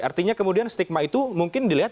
artinya kemudian stigma itu mungkin dilihat